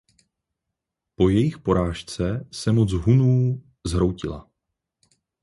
Po jejich porážce se moc Hunů zhroutila.